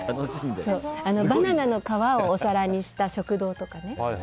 バナナの皮をお皿にした食堂とかね。